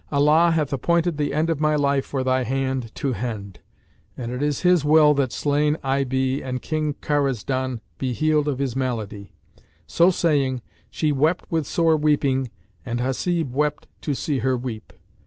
Allah hath appointed the end of my life for thy hand to hend, and it is His will that slain I be and King Karazdan be healed of his malady." So saying, she wept with sore weeping and Hasib wept to see her weep.